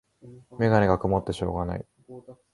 メガネがくもってしょうがない